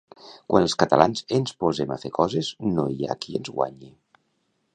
Quan els catalans ens posem a fer coses no hi ha qui ens guanyi